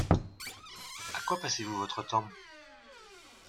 À quoi passez-vous votre temps ?